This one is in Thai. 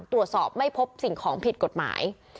ตรวจสอบไม่พบสิ่งของผิดกฎหมาย